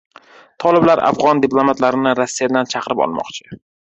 Toliblar afg‘on diplomatlarini Rossiyadan chaqirib olmoqchi